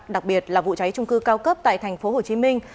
đặc biệt là vụ cháy trung cư cao cấp tại thành phố hồ chí minh